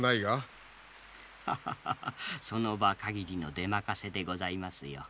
ハハハハその場かぎりの出任せでございますよ。